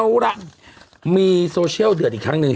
เอาล่ะมีโซเชียลเดือดอีกครั้งหนึ่ง